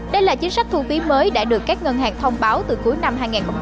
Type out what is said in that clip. đây là chính sách thu phí mới đã được các ngân hàng thông báo từ cuối năm hai nghìn hai mươi ba